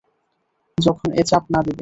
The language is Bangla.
যখন এ চাপ না দিবে।